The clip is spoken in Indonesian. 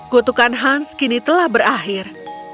kutukan hans kini telah berakhir